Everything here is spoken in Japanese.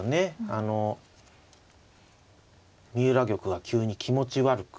あの三浦玉が急に気持ち悪くなりましたね。